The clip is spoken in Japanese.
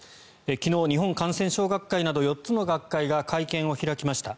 昨日日本感染症学会など４つの学会が会見を開きました。